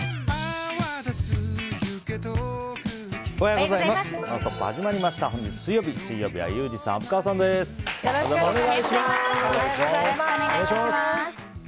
おはようございます。